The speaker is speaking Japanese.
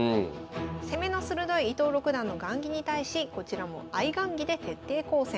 攻めの鋭い伊藤六段の雁木に対しこちらも相雁木で徹底抗戦。